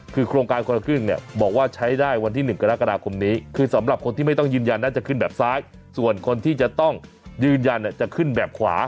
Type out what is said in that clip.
คือโครงการคนละครึ่งเนี่ยบอกว่าใช้ได้วันที่๑กรกฎาคมนี้คือสำหรับคนที่ไม่ต้องยืนยันน่าจะขึ้นแบบซ้ายส่วนคนที่จะต้องยืนยันจะขึ้นแบบขวา